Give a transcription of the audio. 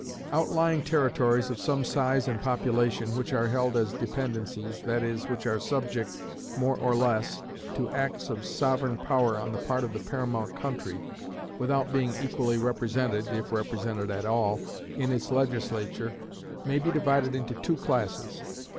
Outlying territories of some size and population, which are held as dependencies, that is, which are subject, more or less, to acts of sovereign power on the part of the paramount country, without being equally represented (if represented at all) in its Legislature, may be divided into two classes.